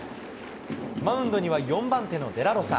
マウンドには４番手のデラロサ。